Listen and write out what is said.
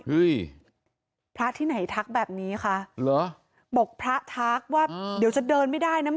พระที่ไหนทักแบบนี้ค่ะเหรอบอกพระทักว่าเดี๋ยวจะเดินไม่ได้นะ